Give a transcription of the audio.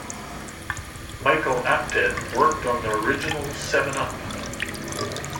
Michael Apted worked on the original "Seven Up".